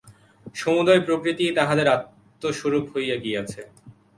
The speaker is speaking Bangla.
সমুদয় প্রকৃতিই তাঁহাদের আত্মস্বরূপ হইয়া গিয়াছে।